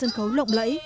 sân khấu lộng lẫy